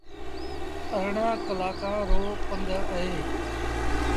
اَرڙآن ڪلآنڪآن رو پنڌ اهي۔